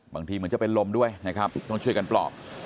บางทีเหมือนจะเป็นลมด้วยนะครับต้องช่วยกันปลอบ